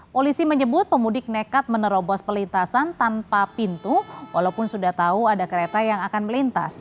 polisi menyebut pemudik nekat menerobos pelintasan tanpa pintu walaupun sudah tahu ada kereta yang akan melintas